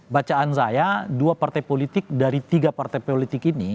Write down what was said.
bacaan saya dua partai politik dari tiga partai politik ini